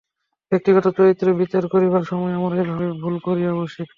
ব্যক্তিগত চরিত্র বিচার করিবার সময় আমরা এ-ভাবে ভুল করিয়া বসি।